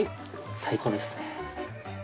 最高ですね。